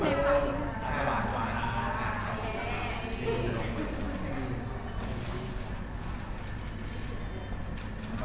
ไม่เอาไม่เอา